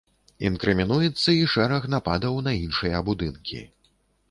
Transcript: Інкрымінуецца і шэраг нападаў на іншыя будынкі.